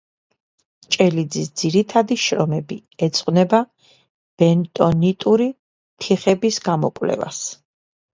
ჭელიძის ძირითადი შრომები ეძღვნება ბენტონიტური თიხების გამოკვლევას.